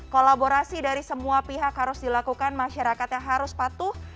kolaborasi dari semua pihak harus dilakukan masyarakatnya harus patuh